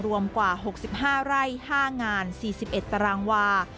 รวมกว่า๖๕ไร่๕งาน๔๑ตารางวา